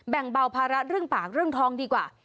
แบ่งเบาภาระเรื่องปากเรื่องท้องดีกว่า